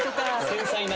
繊細な。